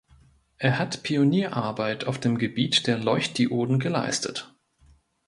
Er hat Pionierarbeit auf dem Gebiet der Leuchtdioden geleistet.